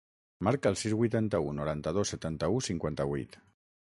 Marca el sis, vuitanta-u, noranta-dos, setanta-u, cinquanta-vuit.